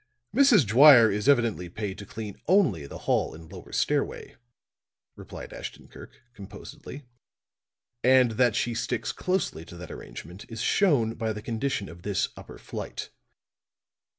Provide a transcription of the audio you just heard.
"Mrs. Dwyer is evidently paid to clean only the hall and lower stairway," replied Ashton Kirk, composedly. "And that she sticks closely to that arrangement is shown by the condition of this upper flight.